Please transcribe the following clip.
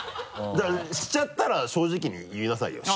だからしちゃったら正直に言いなさいよ？